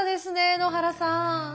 野原さん。